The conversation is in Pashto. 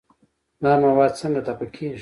دا مواد څنګه دفع کېږي؟